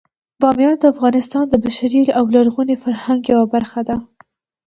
بامیان د افغانستان د بشري او لرغوني فرهنګ یوه برخه ده.